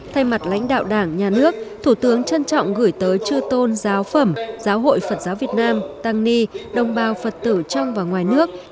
thay mặt lãnh đạo đảng nhà nước thủ tướng trân trọng gửi tới chư tôn giáo phẩm giáo hội phật giáo việt nam tăng ni đồng bào phật tử trong và ngoài nước